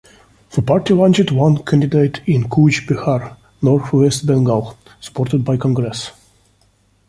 The party launched one candidate in Cooch Behar, north West Bengal, supported by Congress.